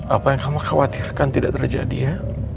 apa yang kamu khawatirkan tidak terjadi ya